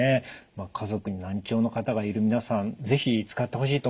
家族に難聴の方がいる皆さん是非使ってほしいと思いますが。